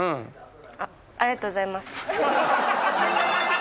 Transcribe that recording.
ありがとうございます。